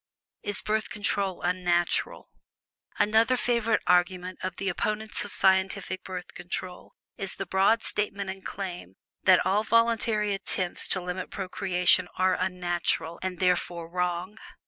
IS BIRTH CONTROL UNNATURAL? Another favorite argument of the opponents of scientific Birth Control is the broad statement and claim that "all voluntary attempts to limit procreation are unnatural," and therefore wrong.